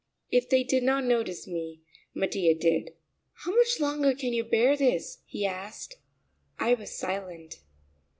If they did not notice me, Mattia did. "How much longer can you bear this?" he asked. I was silent.